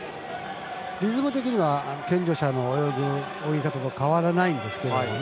リズム的には健常者の泳ぎ方と変わらないんですけどね。